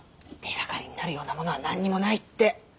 手がかりになるようなものは何にもないって。